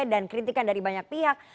dan kritikan dari banyak pihak